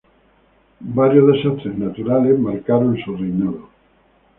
Varios desastres naturales marcaron su reinado.